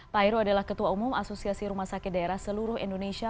pak heru adalah ketua umum asosiasi rumah sakit daerah seluruh indonesia